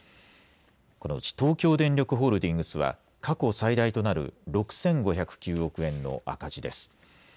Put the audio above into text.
このうち東京電力ホールディングスは、過去最大となる６５０９億円の赤字です。